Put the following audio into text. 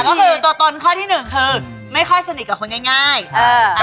ก็คือตัวตนข้อที่หนึ่งคือไม่ค่อยสนิทกับคนง่ายง่ายอ่า